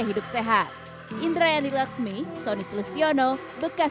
upaya pencegahan kebocoran urin sejak dini dapat dilakukan dengan latihan otot panggul